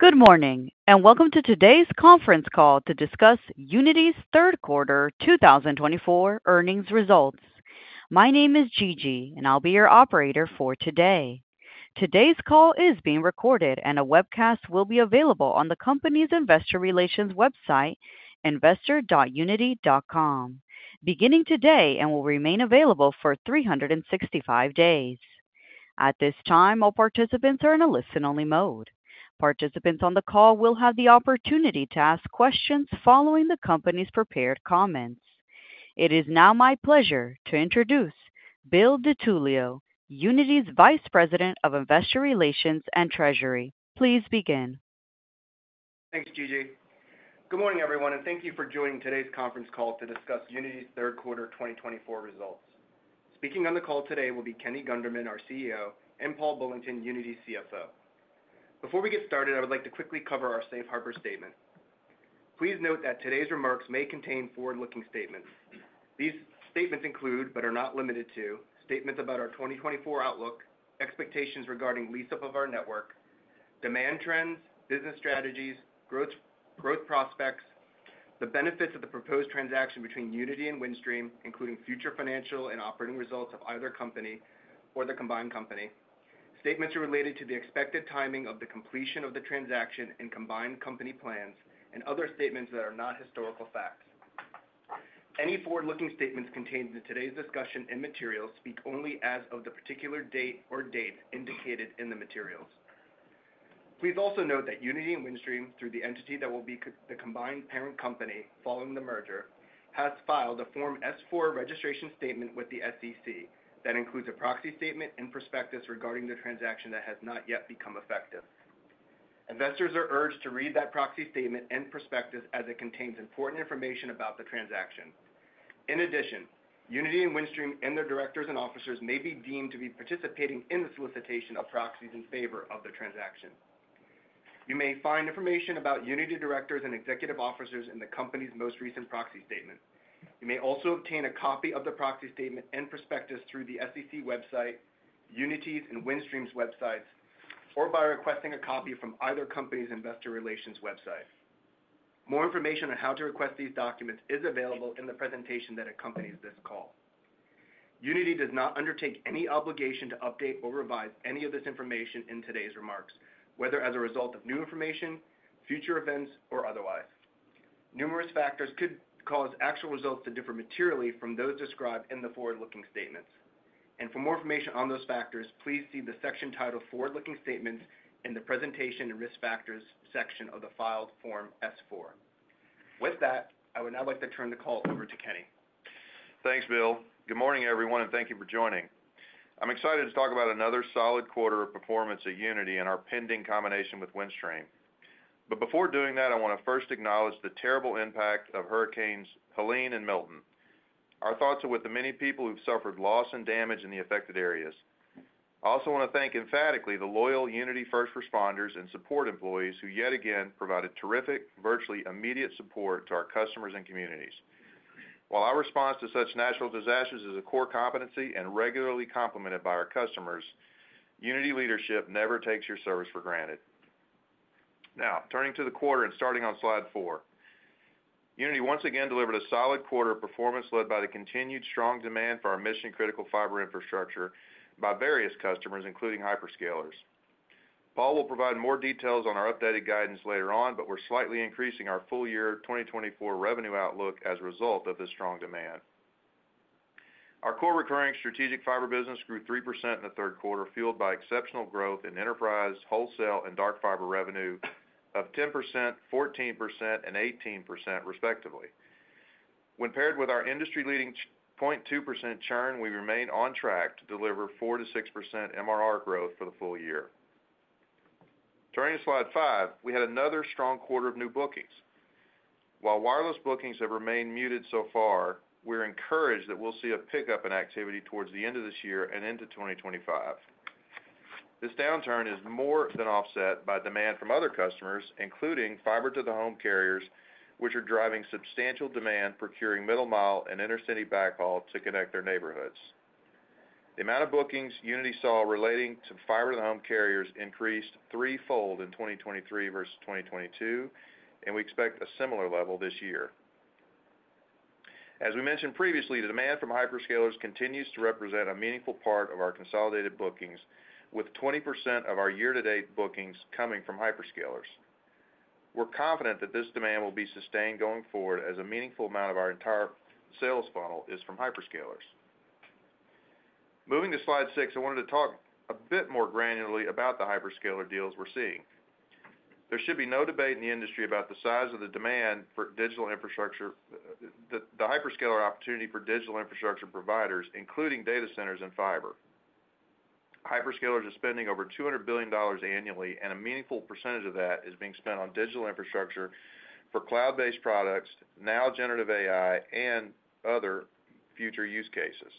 Good morning, and welcome to today's conference call to discuss Uniti's third quarter 2024 earnings results. My name is Gigi, and I'll be your operator for today. Today's call is being recorded, and a webcast will be available on the company's investor relations website, investor.uniti.com, beginning today and will remain available for 365 days. At this time, all participants are in a listen-only mode. Participants on the call will have the opportunity to ask questions following the company's prepared comments. It is now my pleasure to introduce Bill DiTullio, Uniti's Vice President of Investor Relations and Treasury. Please begin. Thanks, Gigi. Good morning, everyone, and thank you for joining today's conference call to discuss Uniti's third quarter 2024 results. Speaking on the call today will be Kenny Gunderman, our CEO, and Paul Bullington, Uniti's CFO. Before we get started, I would like to quickly cover our safe harbor statement. Please note that today's remarks may contain forward-looking statements. These statements include, but are not limited to, statements about our 2024 outlook, expectations regarding lease-up of our network, demand trends, business strategies, growth prospects, the benefits of the proposed transaction between Uniti and Windstream, including future financial and operating results of either company or the combined company. Statements are related to the expected timing of the completion of the transaction and combined company plans, and other statements that are not historical facts. Any forward-looking statements contained in today's discussion and materials speak only as of the particular date or dates indicated in the materials. Please also note that Uniti and Windstream, through the entity that will be the combined parent company following the merger, has filed a Form S-4 registration statement with the SEC that includes a proxy statement and prospectus regarding the transaction that has not yet become effective. Investors are urged to read that proxy statement and prospectus as it contains important information about the transaction. In addition, Uniti and Windstream and their directors and officers may be deemed to be participating in the solicitation of proxies in favor of the transaction. You may find information about Uniti directors and executive officers in the company's most recent proxy statement. You may also obtain a copy of the proxy statement and prospectus through the SEC website, Uniti's and Windstream's websites, or by requesting a copy from either company's investor relations website. More information on how to request these documents is available in the presentation that accompanies this call. Uniti does not undertake any obligation to update or revise any of this information in today's remarks, whether as a result of new information, future events, or otherwise. Numerous factors could cause actual results to differ materially from those described in the forward-looking statements. And for more information on those factors, please see the section titled Forward-Looking Statements in the Presentation and Risk Factors section of the filed Form S-4. With that, I would now like to turn the call over to Kenny. Thanks, Bill. Good morning, everyone, and thank you for joining. I'm excited to talk about another solid quarter of performance at Uniti and our pending combination with Windstream. But before doing that, I want to first acknowledge the terrible impact of Hurricanes Helene and Milton. Our thoughts are with the many people who've suffered loss and damage in the affected areas. I also want to thank emphatically the loyal Uniti first responders and support employees who yet again provided terrific, virtually immediate support to our customers and communities. While our response to such natural disasters is a core competency and regularly complemented by our customers, Uniti leadership never takes your service for granted. Now, turning to the quarter and starting on slide four, Uniti once again delivered a solid quarter of performance led by the continued strong demand for our mission-critical fiber infrastructure by various customers, including hyperscalers. Paul will provide more details on our updated guidance later on, but we're slightly increasing our full-year 2024 revenue outlook as a result of this strong demand. Our core recurring strategic fiber business grew 3% in the third quarter, fueled by exceptional growth in enterprise, wholesale, and dark fiber revenue of 10%, 14%, and 18%, respectively. When paired with our industry-leading 0.2% churn, we remain on track to deliver 4%-6% MRR growth for the full year. Turning to slide five, we had another strong quarter of new bookings. While wireless bookings have remained muted so far, we're encouraged that we'll see a pickup in activity towards the end of this year and into 2025. This downturn is more than offset by demand from other customers, including fiber-to-the-home carriers, which are driving substantial demand procuring middle-mile and intercity backhaul to connect their neighborhoods. The amount of bookings Uniti saw relating to fiber-to-the-home carriers increased threefold in 2023 versus 2022, and we expect a similar level this year. As we mentioned previously, the demand from hyperscalers continues to represent a meaningful part of our consolidated bookings, with 20% of our year-to-date bookings coming from hyperscalers. We're confident that this demand will be sustained going forward as a meaningful amount of our entire sales funnel is from hyperscalers. Moving to slide six, I wanted to talk a bit more granularly about the hyperscaler deals we're seeing. There should be no debate in the industry about the size of the demand for digital infrastructure, the hyperscaler opportunity for digital infrastructure providers, including data centers and fiber. Hyperscalers are spending over $200 billion annually, and a meaningful percentage of that is being spent on digital infrastructure for cloud-based products, now generative AI and other future use cases.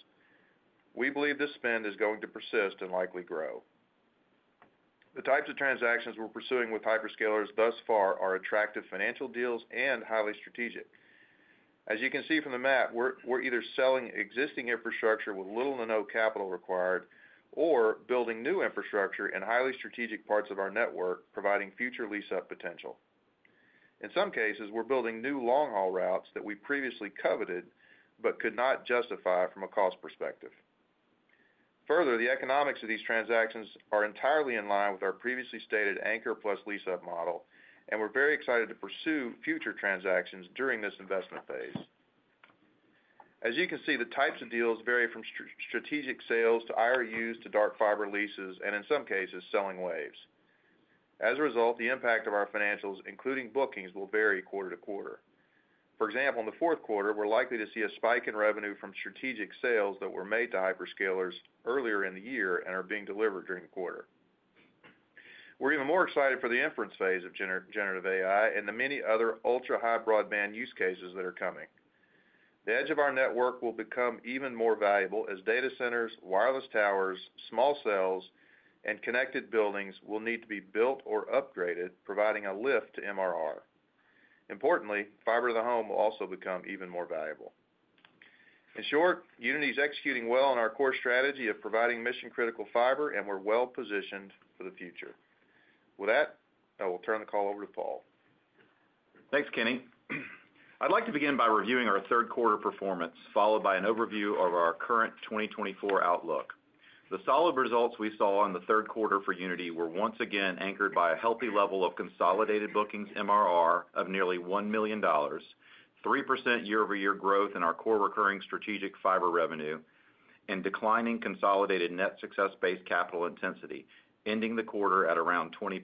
We believe this spend is going to persist and likely grow. The types of transactions we're pursuing with hyperscalers thus far are attractive financial deals and highly strategic. As you can see from the map, we're either selling existing infrastructure with little to no capital required or building new infrastructure in highly strategic parts of our network, providing future lease-up potential. In some cases, we're building new long-haul routes that we previously coveted but could not justify from a cost perspective. Further, the economics of these transactions are entirely in line with our previously stated anchor plus lease-up model, and we're very excited to pursue future transactions during this investment phase. As you can see, the types of deals vary from strategic sales to IRUs to dark fiber leases, and in some cases, selling waves. As a result, the impact of our financials, including bookings, will vary quarter to quarter. For example, in the fourth quarter, we're likely to see a spike in revenue from strategic sales that were made to hyperscalers earlier in the year and are being delivered during the quarter. We're even more excited for the inference phase of generative AI and the many other ultra-high broadband use cases that are coming. The edge of our network will become even more valuable as data centers, wireless towers, small cells, and connected buildings will need to be built or upgraded, providing a lift to MRR. Importantly, fiber-to-the-home will also become even more valuable. In short, Uniti is executing well on our core strategy of providing mission-critical fiber, and we're well positioned for the future. With that, I will turn the call over to Paul. Thanks, Kenny. I'd like to begin by reviewing our third quarter performance, followed by an overview of our current 2024 outlook. The solid results we saw in the third quarter for Uniti were once again anchored by a healthy level of consolidated bookings MRR of nearly $1 million, 3% year-over-year growth in our core recurring strategic fiber revenue, and declining consolidated net success-based capital intensity, ending the quarter at around 20%.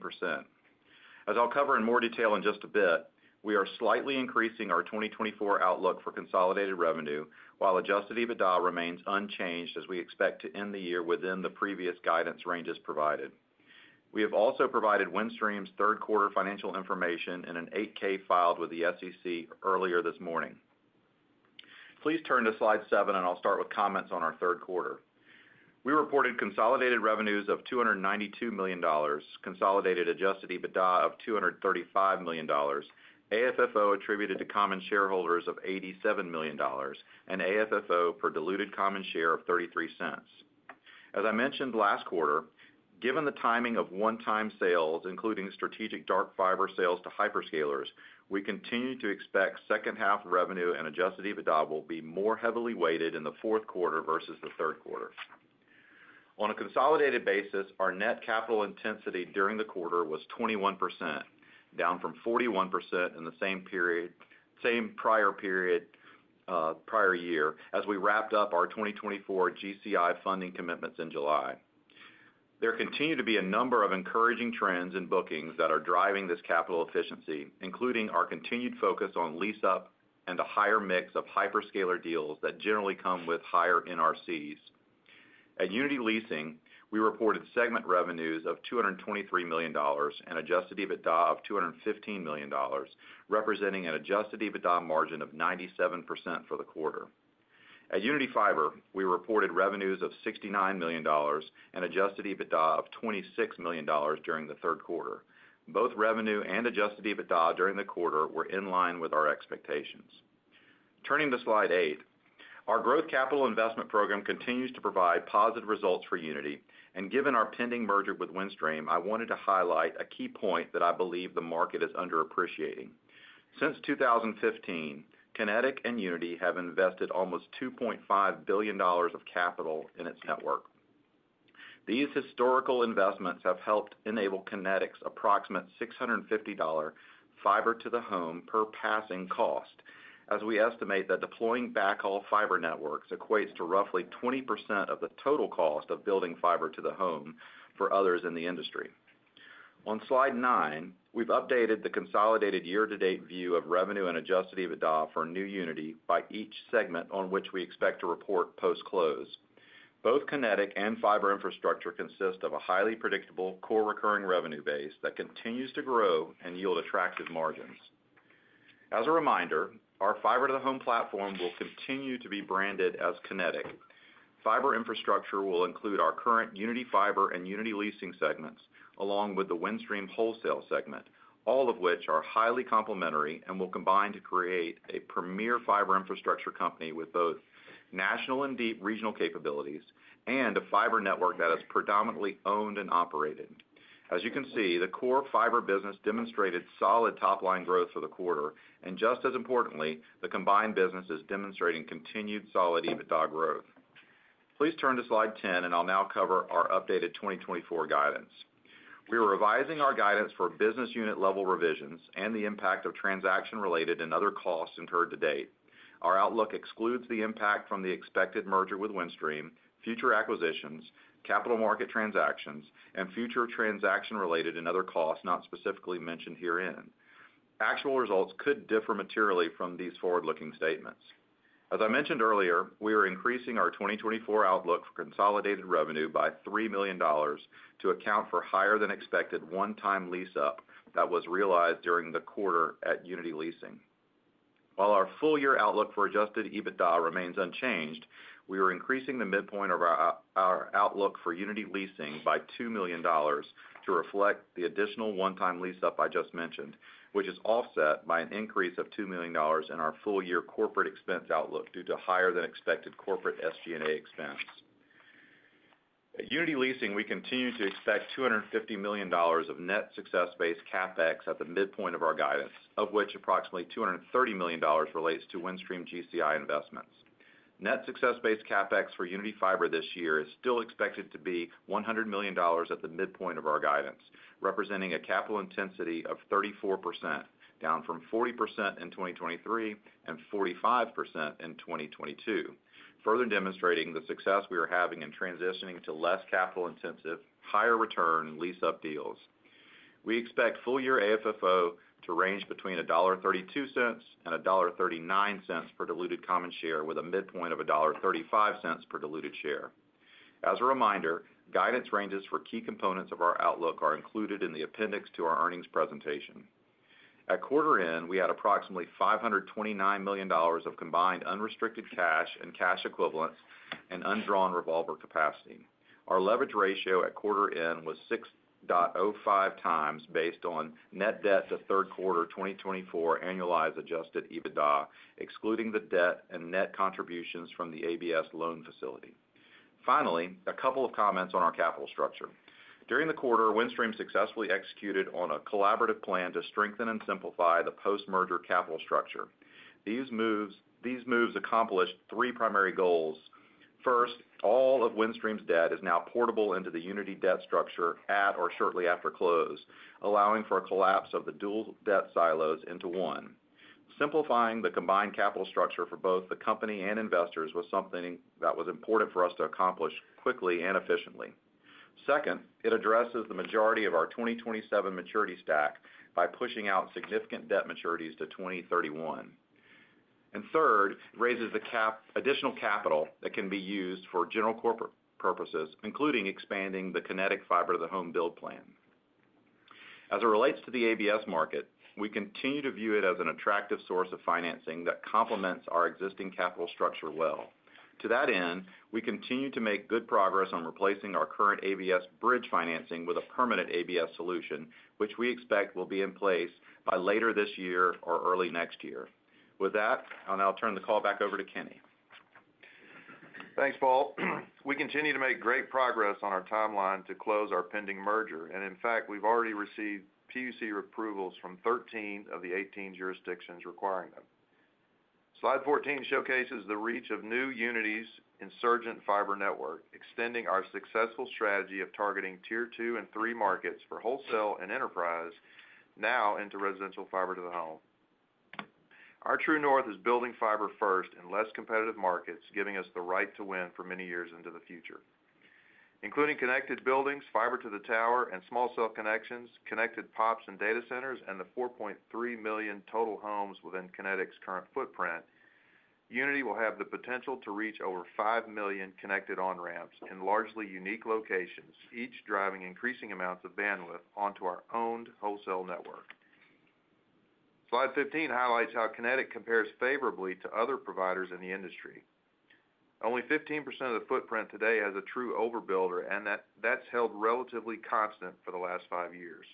As I'll cover in more detail in just a bit, we are slightly increasing our 2024 outlook for consolidated revenue, while Adjusted EBITDA remains unchanged as we expect to end the year within the previous guidance ranges provided. We have also provided Windstream's third quarter financial information in an 8-K filed with the SEC earlier this morning. Please turn to slide seven, and I'll start with comments on our third quarter. We reported consolidated revenues of $292 million, consolidated Adjusted EBITDA of $235 million, AFFO attributed to common shareholders of $87 million, and AFFO per diluted common share of $0.33. As I mentioned last quarter, given the timing of one-time sales, including strategic dark fiber sales to hyperscalers, we continue to expect second-half revenue and Adjusted EBITDA will be more heavily weighted in the fourth quarter versus the third quarter. On a consolidated basis, our net capital intensity during the quarter was 21%, down from 41% in the same prior year as we wrapped up our 2024 GCI funding commitments in July. There continue to be a number of encouraging trends in bookings that are driving this capital efficiency, including our continued focus on lease-up and a higher mix of hyperscaler deals that generally come with higher NRCs. At Uniti Leasing, we reported segment revenues of $223 million and Adjusted EBITDA of $215 million, representing an Adjusted EBITDA margin of 97% for the quarter. At Uniti Fiber, we reported revenues of $69 million and Adjusted EBITDA of $26 million during the third quarter. Both revenue and Adjusted EBITDA during the quarter were in line with our expectations. Turning to slide eight, our growth capital investment program continues to provide positive results for Uniti, and given our pending merger with Windstream, I wanted to highlight a key point that I believe the market is underappreciating. Since 2015, Kinetic and Uniti have invested almost $2.5 billion of capital in its network. These historical investments have helped enable Kinetic's approximate $650 fiber-to-the-home per passing cost, as we estimate that deploying backhaul fiber networks equates to roughly 20% of the total cost of building fiber-to-the-home for others in the industry. On slide nine, we've updated the consolidated year-to-date view of revenue and adjusted EBITDA for new Uniti by each segment on which we expect to report post-close. Both Kinetic and fiber infrastructure consist of a highly predictable core recurring revenue base that continues to grow and yield attractive margins. As a reminder, our fiber-to-the-home platform will continue to be branded as Kinetic. Fiber infrastructure will include our current Uniti Fiber and Uniti Leasing segments, along with the Windstream Wholesale segment, all of which are highly complementary and will combine to create a premier fiber infrastructure company with both national and regional capabilities and a fiber network that is predominantly owned and operated. As you can see, the core fiber business demonstrated solid top-line growth for the quarter, and just as importantly, the combined business is demonstrating continued solid EBITDA growth. Please turn to slide 10, and I'll now cover our updated 2024 guidance. We are revising our guidance for business unit-level revisions and the impact of transaction-related and other costs incurred to date. Our outlook excludes the impact from the expected merger with Windstream, future acquisitions, capital market transactions, and future transaction-related and other costs not specifically mentioned herein. Actual results could differ materially from these forward-looking statements. As I mentioned earlier, we are increasing our 2024 outlook for consolidated revenue by $3 million to account for higher-than-expected one-time lease-up that was realized during the quarter at Uniti Leasing. While our full-year outlook for Adjusted EBITDA remains unchanged, we are increasing the midpoint of our outlook for Uniti Leasing by $2 million to reflect the additional one-time lease-up I just mentioned, which is offset by an increase of $2 million in our full-year corporate expense outlook due to higher-than-expected corporate SG&A expense. At Uniti Leasing, we continue to expect $250 million of net success-based CapEx at the midpoint of our guidance, of which approximately $230 million relates to Windstream GCI investments. Net success-based CapEx for Uniti Fiber this year is still expected to be $100 million at the midpoint of our guidance, representing a capital intensity of 34%, down from 40% in 2023 and 45% in 2022, further demonstrating the success we are having in transitioning to less capital-intensive, higher-return lease-up deals. We expect full-year AFFO to range between $1.32 and $1.39 per diluted common share, with a midpoint of $1.35 per diluted share. As a reminder, guidance ranges for key components of our outlook are included in the appendix to our earnings presentation. At quarter end, we had approximately $529 million of combined unrestricted cash and cash equivalents and undrawn revolver capacity. Our leverage ratio at quarter end was 6.05 times based on net debt to third quarter 2024 annualized Adjusted EBITDA, excluding the debt and net contributions from the ABS loan facility. Finally, a couple of comments on our capital structure. During the quarter, Windstream successfully executed on a collaborative plan to strengthen and simplify the post-merger capital structure. These moves accomplished three primary goals. First, all of Windstream's debt is now portable into the Uniti debt structure at or shortly after close, allowing for a collapse of the dual debt silos into one. Simplifying the combined capital structure for both the company and investors was something that was important for us to accomplish quickly and efficiently. Second, it addresses the majority of our 2027 maturity stack by pushing out significant debt maturities to 2031. And third, it raises the additional capital that can be used for general corporate purposes, including expanding the Kinetic fiber-to-the-home build plan. As it relates to the ABS market, we continue to view it as an attractive source of financing that complements our existing capital structure well. To that end, we continue to make good progress on replacing our current ABS bridge financing with a permanent ABS solution, which we expect will be in place by later this year or early next year. With that, I'll now turn the call back over to Kenny. Thanks, Paul. We continue to make great progress on our timeline to close our pending merger, and in fact, we've already received PUC approvals from 13 of the 18 jurisdictions requiring them. Slide 14 showcases the reach of new Uniti's insurgent fiber network, extending our successful strategy of targeting Tier 2 and 3 markets for wholesale and enterprise, now into residential fiber-to-the-home. Our true north is building fiber first in less competitive markets, giving us the right to win for many years into the future. Including connected buildings, fiber-to-the-tower, and small cell connections, connected POPs and data centers, and the 4.3 million total homes within Kinetic's current footprint, Uniti will have the potential to reach over 5 million connected on-ramps in largely unique locations, each driving increasing amounts of bandwidth onto our owned wholesale network. Slide 15 highlights how Kinetic compares favorably to other providers in the industry. Only 15% of the footprint today has a true overbuilder, and that's held relatively constant for the last five years.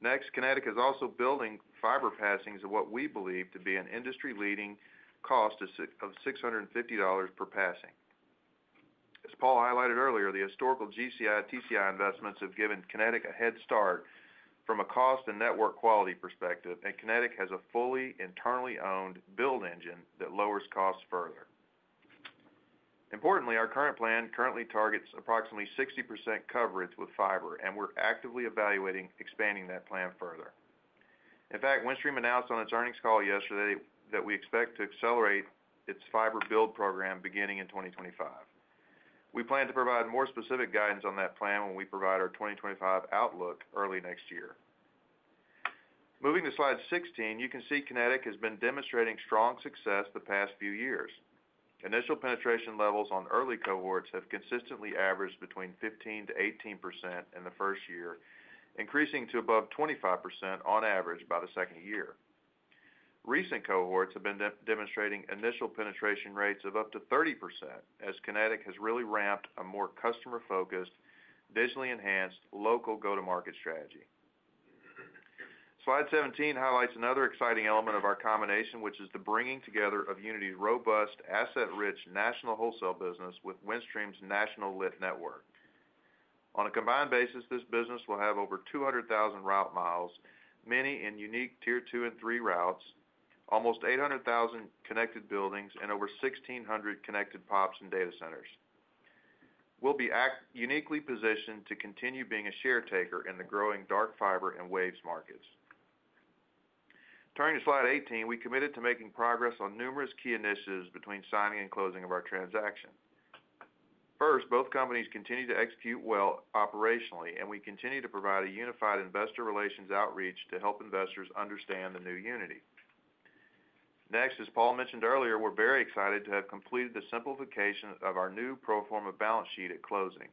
Next, Kinetic is also building fiber passings of what we believe to be an industry-leading cost of $650 per passing. As Paul highlighted earlier, the historical GCI and TCI investments have given Kinetic a head start from a cost and network quality perspective, and Kinetic has a fully internally owned build engine that lowers costs further. Importantly, our current plan currently targets approximately 60% coverage with fiber, and we're actively evaluating expanding that plan further. In fact, Windstream announced on its earnings call yesterday that we expect to accelerate its fiber build program beginning in 2025. We plan to provide more specific guidance on that plan when we provide our 2025 outlook early next year. Moving to slide 16, you can see Kinetic has been demonstrating strong success the past few years. Initial penetration levels on early cohorts have consistently averaged between 15%-18% in the first year, increasing to above 25% on average by the second year. Recent cohorts have been demonstrating initial penetration rates of up to 30%, as Kinetic has really ramped a more customer-focused, digitally enhanced local go-to-market strategy. Slide 17 highlights another exciting element of our combination, which is the bringing together of Uniti's robust, asset-rich national wholesale business with Windstream's national lit network. On a combined basis, this business will have over 200,000 route miles, many in unique Tier 2 and 3 routes, almost 800,000 connected buildings, and over 1,600 connected POPs and data centers. We'll be uniquely positioned to continue being a share taker in the growing dark fiber and waves markets. Turning to slide 18, we committed to making progress on numerous key initiatives between signing and closing of our transaction. First, both companies continue to execute well operationally, and we continue to provide a unified investor relations outreach to help investors understand the new Uniti. Next, as Paul mentioned earlier, we're very excited to have completed the simplification of our new pro forma balance sheet at closing,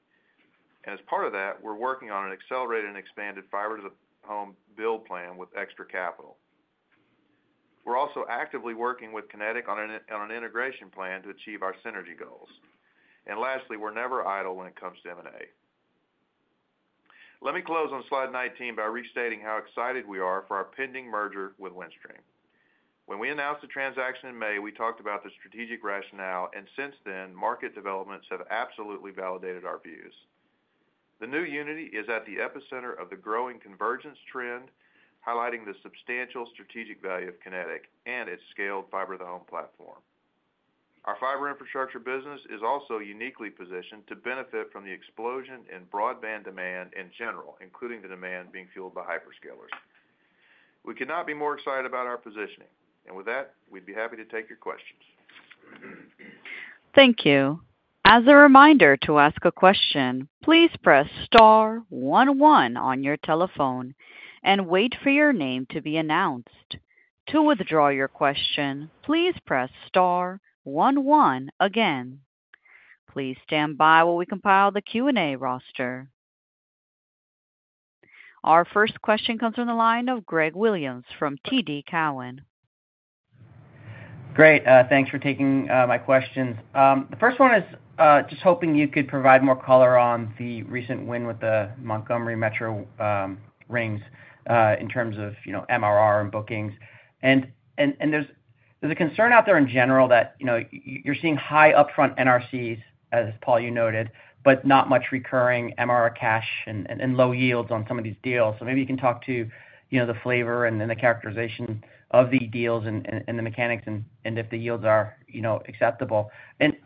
and as part of that, we're working on an accelerated and expanded fiber-to-the-home build plan with extra capital. We're also actively working with Kinetic on an integration plan to achieve our synergy goals, and lastly, we're never idle when it comes to M&A. Let me close on slide 19 by restating how excited we are for our pending merger with Windstream. When we announced the transaction in May, we talked about the strategic rationale, and since then, market developments have absolutely validated our views. The new Uniti is at the epicenter of the growing convergence trend, highlighting the substantial strategic value of Kinetic and its scaled fiber-to-the-home platform. Our fiber infrastructure business is also uniquely positioned to benefit from the explosion in broadband demand in general, including the demand being fueled by hyperscalers. We could not be more excited about our positioning. And with that, we'd be happy to take your questions. Thank you. As a reminder to ask a question, please press star one one on your telephone and wait for your name to be announced. To withdraw your question, please press star one one again. Please stand by while we compile the Q&A roster. Our first question comes from the line of Greg Williams from TD Cowen. Great. Thanks for taking my questions. The first one is just hoping you could provide more color on the recent win with the Montgomery Metro rings in terms of MRR and bookings. And there's a concern out there in general that you're seeing high upfront NRCs, as Paul, you noted, but not much recurring MRR cash and low yields on some of these deals. So maybe you can talk to the flavor and the characterization of the deals and the mechanics and if the yields are acceptable. And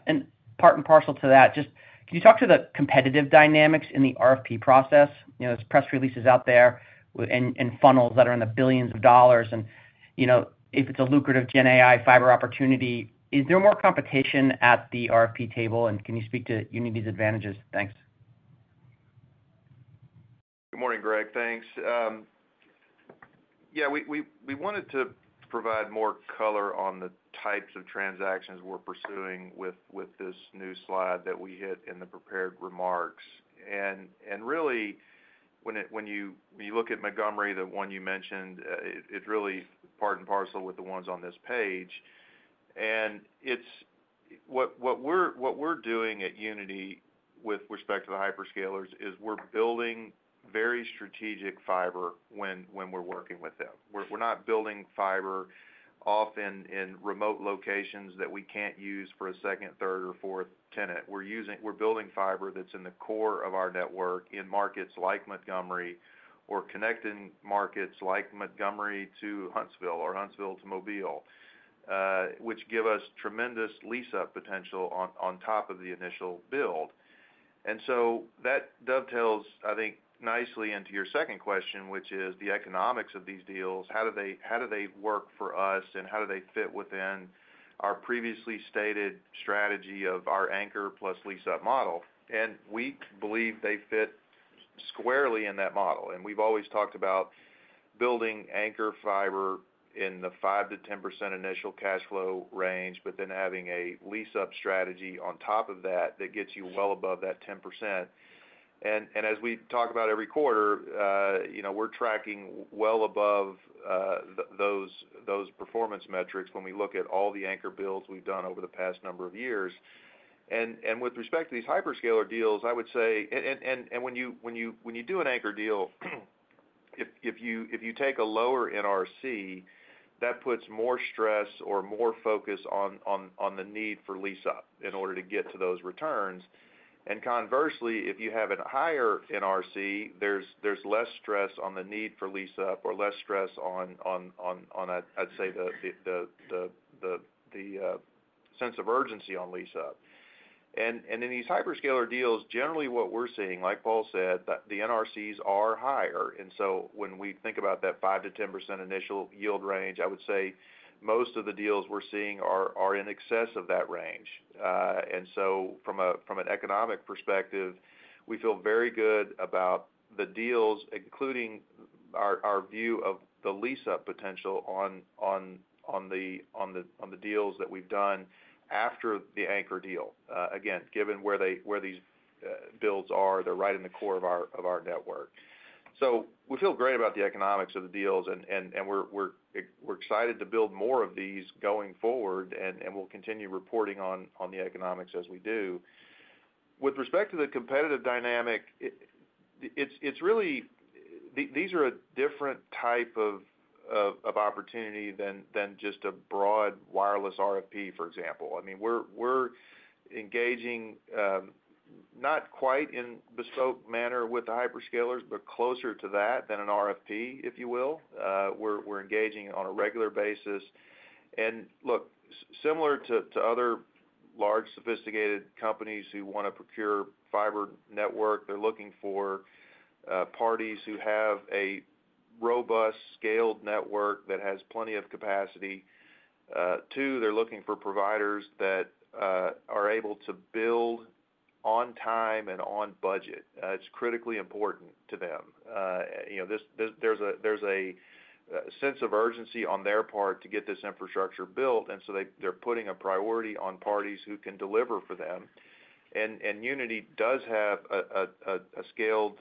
part and parcel to that, just can you talk to the competitive dynamics in the RFP process? There's press releases out there and funnels that are in the billions of dollars. And if it's a lucrative GenAI fiber opportunity, is there more competition at the RFP table, and can you speak to Uniti's advantages? Thanks. Good morning, Greg. Thanks. Yeah, we wanted to provide more color on the types of transactions we're pursuing with this new slide that we hit in the prepared remarks, and really, when you look at Montgomery, the one you mentioned, it's really part and parcel with the ones on this page, and what we're doing at Uniti with respect to the hyperscalers is we're building very strategic fiber when we're working with them. We're not building fiber often in remote locations that we can't use for a second, third, or fourth tenant. We're building fiber that's in the core of our network in markets like Montgomery or connecting markets like Montgomery to Huntsville or Huntsville to Mobile, which give us tremendous lease-up potential on top of the initial build, and so that dovetails, I think, nicely into your second question, which is the economics of these deals. How do they work for us, and how do they fit within our previously stated strategy of our anchor plus lease-up model? And we believe they fit squarely in that model. And we've always talked about building anchor fiber in the 5%-10% initial cash flow range, but then having a lease-up strategy on top of that that gets you well above that 10%. And as we talk about every quarter, we're tracking well above those performance metrics when we look at all the anchor builds we've done over the past number of years. And with respect to these hyperscaler deals, I would say, and when you do an anchor deal, if you take a lower NRC, that puts more stress or more focus on the need for lease-up in order to get to those returns. And conversely, if you have a higher NRC, there's less stress on the need for lease-up or less stress on, I'd say, the sense of urgency on lease-up. And in these hyperscaler deals, generally, what we're seeing, like Paul said, the NRCs are higher. And so when we think about that 5%-10% initial yield range, I would say most of the deals we're seeing are in excess of that range. And so from an economic perspective, we feel very good about the deals, including our view of the lease-up potential on the deals that we've done after the anchor deal. Again, given where these builds are, they're right in the core of our network. So we feel great about the economics of the deals, and we're excited to build more of these going forward, and we'll continue reporting on the economics as we do. With respect to the competitive dynamic, these are a different type of opportunity than just a broad wireless RFP, for example. I mean, we're engaging not quite in bespoke manner with the hyperscalers, but closer to that than an RFP, if you will. We're engaging on a regular basis. And look, similar to other large sophisticated companies who want to procure fiber network, they're looking for parties who have a robust scaled network that has plenty of capacity. Two, they're looking for providers that are able to build on time and on budget. It's critically important to them. There's a sense of urgency on their part to get this infrastructure built, and so they're putting a priority on parties who can deliver for them. And Uniti does have a scaled,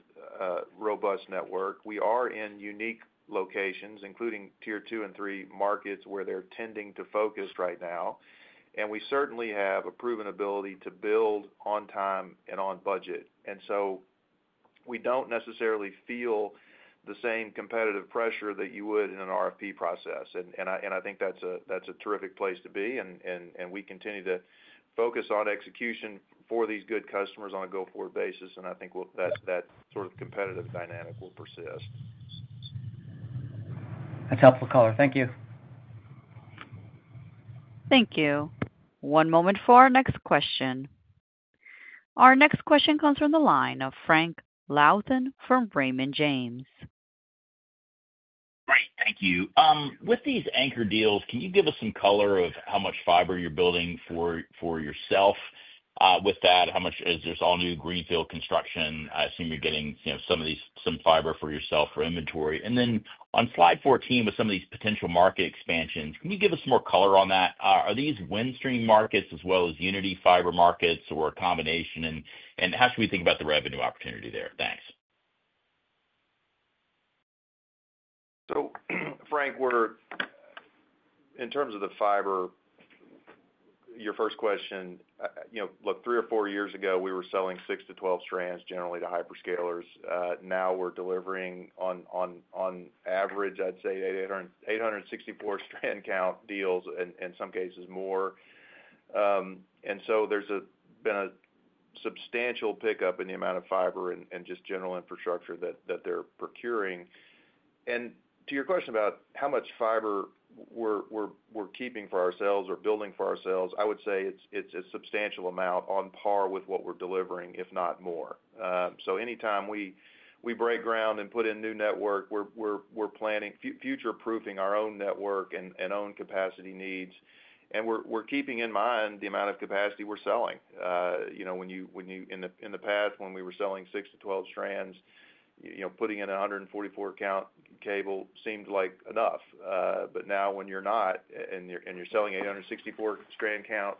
robust network. We are in unique locations, including Tier 2 and 3 markets where they're tending to focus right now. And we certainly have a proven ability to build on time and on budget. And so we don't necessarily feel the same competitive pressure that you would in an RFP process. And I think that's a terrific place to be. And we continue to focus on execution for these good customers on a go-forward basis, and I think that sort of competitive dynamic will persist. That's helpful color. Thank you. Thank you. One moment for our next question. Our next question comes from the line of Frank Louthan from Raymond James. Great. Thank you. With these anchor deals, can you give us some color of how much fiber you're building for yourself with that? Is this all new greenfield construction? I assume you're getting some fiber for yourself for inventory. And then on slide 14, with some of these potential market expansions, can you give us more color on that? Are these Windstream markets as well as Uniti fiber markets or a combination? And how should we think about the revenue opportunity there? Thanks. So, Frank, in terms of the fiber, your first question, look, three or four years ago, we were selling six to 12 strands generally to hyperscalers. Now we're delivering on average, I'd say, 864 strand count deals, in some cases more. And so there's been a substantial pickup in the amount of fiber and just general infrastructure that they're procuring. And to your question about how much fiber we're keeping for ourselves or building for ourselves, I would say it's a substantial amount on par with what we're delivering, if not more. So anytime we break ground and put in new network, we're future-proofing our own network and own capacity needs. And we're keeping in mind the amount of capacity we're selling. In the past, when we were selling six to 12 strands, putting in a 144 count cable seemed like enough. But now when you're not and you're selling 864 strand count,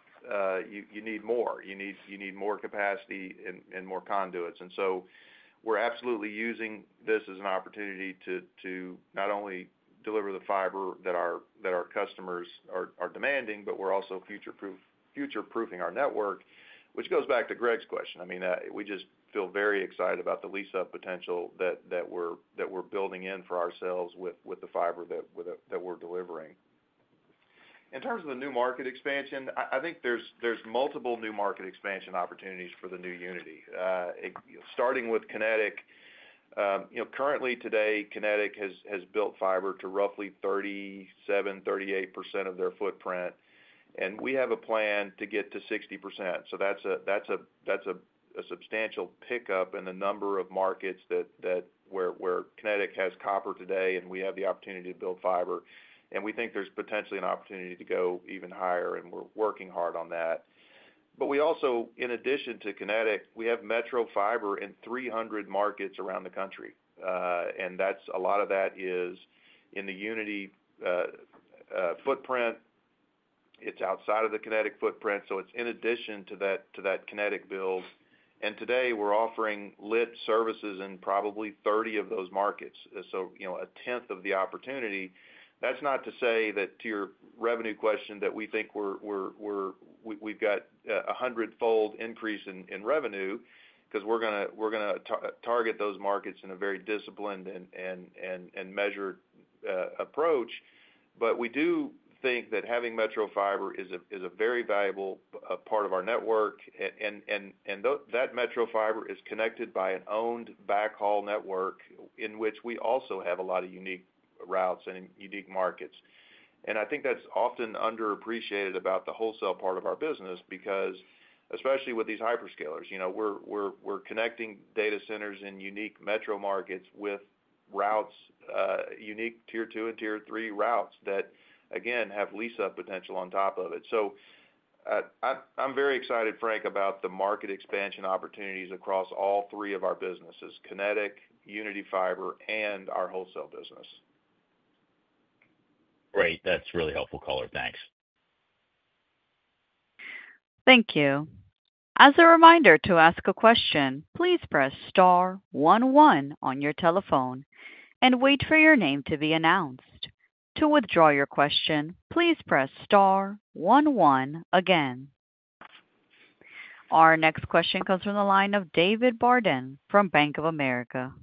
you need more. You need more capacity and more conduits. And so we're absolutely using this as an opportunity to not only deliver the fiber that our customers are demanding, but we're also future-proofing our network, which goes back to Greg's question. I mean, we just feel very excited about the lease-up potential that we're building in for ourselves with the fiber that we're delivering. In terms of the new market expansion, I think there's multiple new market expansion opportunities for the new Uniti. Starting with Kinetic, currently today, Kinetic has built fiber to roughly 37%, 38% of their footprint. And we have a plan to get to 60%. So that's a substantial pickup in the number of markets where Kinetic has copper today and we have the opportunity to build fiber. And we think there's potentially an opportunity to go even higher, and we're working hard on that. But we also, in addition to Kinetic, we have metro fiber in 300 markets around the country. And a lot of that is in the Uniti footprint. It's outside of the Kinetic footprint. So it's in addition to that Kinetic build. And today, we're offering lit services in probably 30 of those markets. So a tenth of the opportunity. That's not to say that to your revenue question that we think we've got a hundredfold increase in revenue because we're going to target those markets in a very disciplined and measured approach. But we do think that having metro fiber is a very valuable part of our network. And that metro fiber is connected by an owned backhaul network in which we also have a lot of unique routes and unique markets. And I think that's often underappreciated about the wholesale part of our business because, especially with these hyperscalers, we're connecting data centers in unique Metro markets with unique Tier 2 and 3 routes that, again, have lease-up potential on top of it. So I'm very excited, Frank, about the market expansion opportunities across all three of our businesses: Kinetic, Uniti Fiber, and our wholesale business. Great. That's really helpful color. Thanks. Thank you. As a reminder to ask a question, please press star one one on your telephone and wait for your name to be announced. To withdraw your question, please press star one one again. Our next question comes from the line of David Barden from Bank of America.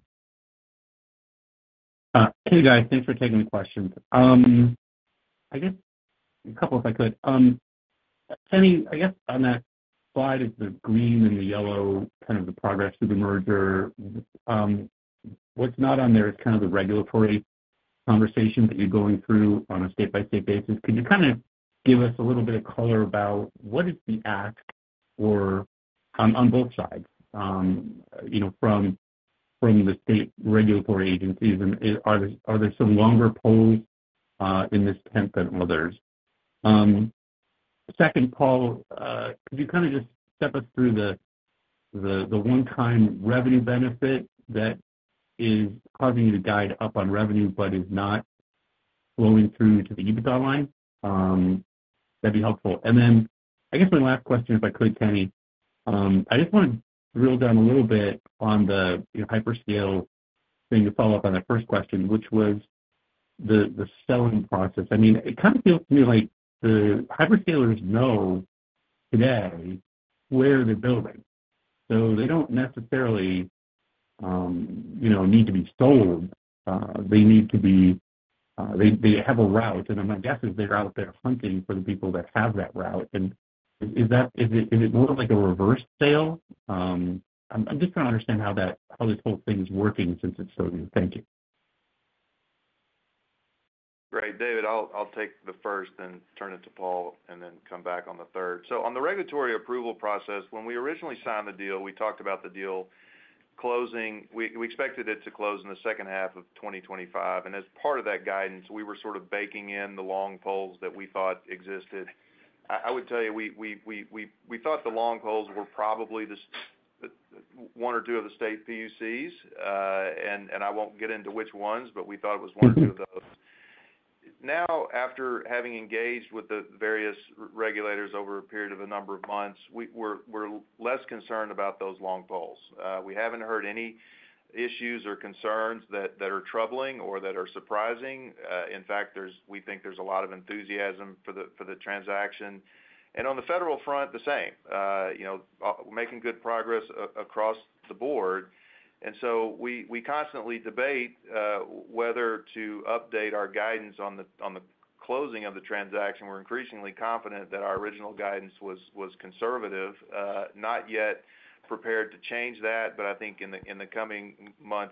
Hey, guys. Thanks for taking the question. I guess a couple, if I could. I guess on that slide is the green and the yellow kind of the progress of the merger. What's not on there is kind of the regulatory conversations that you're going through on a state-by-state basis. Can you kind of give us a little bit of color about what is the ask on both sides from the state regulatory agencies? And are there some longer poles in this tent than others? Second, Paul, could you kind of just step us through the one-time revenue benefit that is causing you to guide up on revenue but is not flowing through to the EBITDA line? That'd be helpful. And then I guess my last question, if I could, Kenny. I just want to drill down a little bit on the hyperscaler thing to follow up on that first question, which was the selling process. I mean, it kind of feels to me like the hyperscalers know today where they're building. So they don't necessarily need to be sold. They need to be they have a route. And then my guess is they're out there hunting for the people that have that route. And is it more like a reverse sale? I'm just trying to understand how this whole thing is working since it's so new. Thank you. Great. David, I'll take the first and turn it to Paul and then come back on the third. So on the regulatory approval process, when we originally signed the deal, we talked about the deal closing. We expected it to close in the second half of 2025, and as part of that guidance, we were sort of baking in the long poles that we thought existed. I would tell you we thought the long poles were probably one or two of the state PUCs, and I won't get into which ones, but we thought it was one or two of those. Now, after having engaged with the various regulators over a period of a number of months, we're less concerned about those long poles. We haven't heard any issues or concerns that are troubling or that are surprising. In fact, we think there's a lot of enthusiasm for the transaction. And on the federal front, the same. We're making good progress across the board. And so we constantly debate whether to update our guidance on the closing of the transaction. We're increasingly confident that our original guidance was conservative. Not yet prepared to change that, but I think in the coming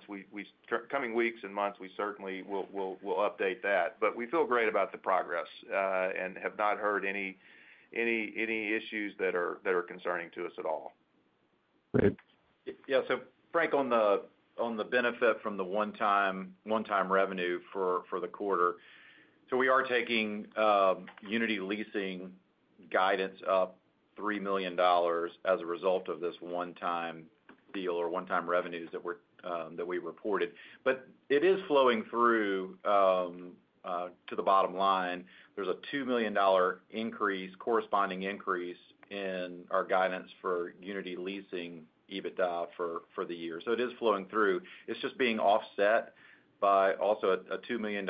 weeks and months, we certainly will update that. But we feel great about the progress and have not heard any issues that are concerning to us at all. Great. Yeah. So Frank, on the benefit from the one-time revenue for the quarter, so we are taking Uniti Leasing guidance up $3 million as a result of this one-time deal or one-time revenues that we reported. But it is flowing through to the bottom line. There's a $2 million increase, corresponding increase in our guidance for Uniti Leasing EBITDA for the year. So it is flowing through. It's just being offset by also a $2 million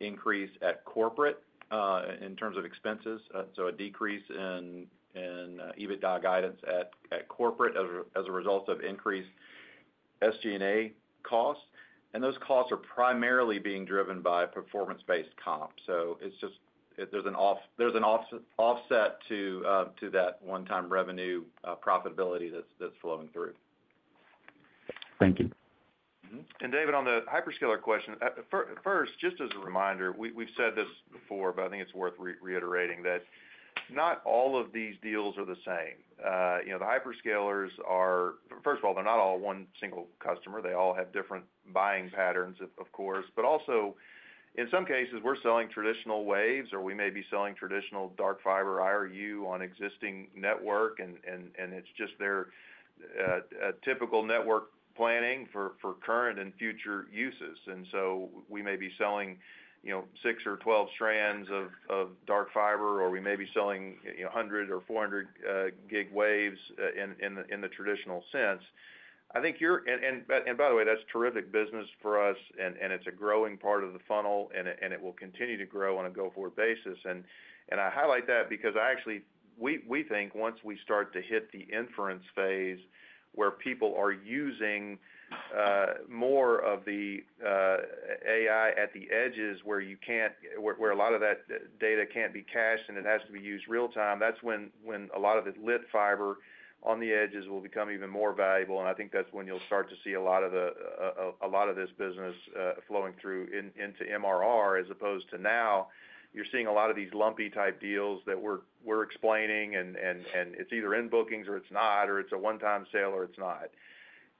increase at corporate in terms of expenses. So a decrease in EBITDA guidance at corporate as a result of increased SG&A costs. And those costs are primarily being driven by performance-based comp. So there's an offset to that one-time revenue profitability that's flowing through. Thank you. And David, on the hyperscaler question, first, just as a reminder, we've said this before, but I think it's worth reiterating that not all of these deals are the same. The hyperscalers are, first of all, they're not all one single customer. They all have different buying patterns, of course. But also, in some cases, we're selling traditional waves, or we may be selling traditional dark fiber IRU on existing network, and it's just their typical network planning for current and future uses. And so we may be selling six or 12 strands of dark fiber, or we may be selling 100 or 400 gig waves in the traditional sense. I think you're, and by the way, that's terrific business for us, and it's a growing part of the funnel, and it will continue to grow on a go-forward basis. And I highlight that because we think once we start to hit the inference phase where people are using more of the AI at the edges where a lot of that data can't be cached and it has to be used real-time, that's when a lot of the lit fiber on the edges will become even more valuable. And I think that's when you'll start to see a lot of this business flowing through into MRR as opposed to now you're seeing a lot of these lumpy-type deals that we're explaining, and it's either in bookings or it's not, or it's a one-time sale or it's not.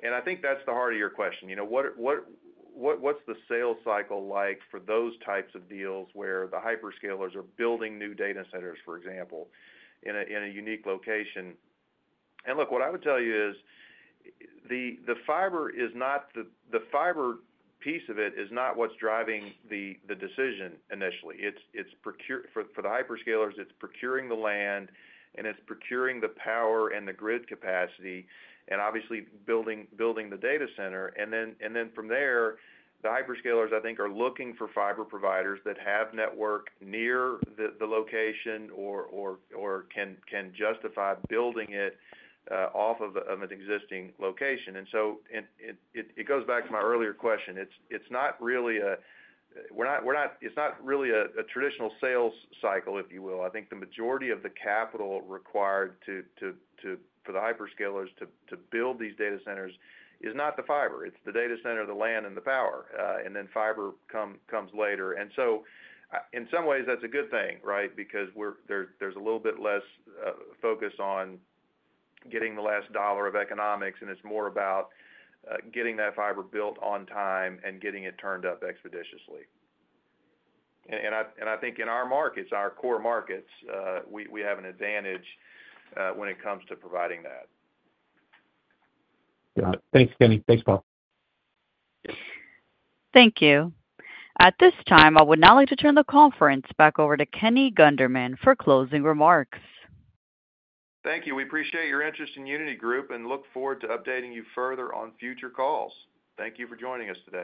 And I think that's the heart of your question. What's the sales cycle like for those types of deals where the hyperscalers are building new data centers, for example, in a unique location? Look, what I would tell you is the fiber is not the fiber piece of it is not what's driving the decision initially. For the hyperscalers, it's procuring the land, and it's procuring the power and the grid capacity, and obviously building the data center. Then from there, the hyperscalers, I think, are looking for fiber providers that have network near the location or can justify building it off of an existing location. So it goes back to my earlier question. It's not really a traditional sales cycle, if you will. I think the majority of the capital required for the hyperscalers to build these data centers is not the fiber. It's the data center, the land, and the power. Then fiber comes later. So in some ways, that's a good thing, right? Because there's a little bit less focus on getting the last dollar of economics, and it's more about getting that fiber built on time and getting it turned up expeditiously. And I think in our markets, our core markets, we have an advantage when it comes to providing that. Got it. Thanks, Kenny. Thanks, Paul. Thank you. At this time, I would now like to turn the conference back over to Kenny Gunderman for closing remarks. Thank you. We appreciate your interest in Uniti Group and look forward to updating you further on future calls. Thank you for joining us today.